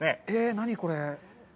何これ。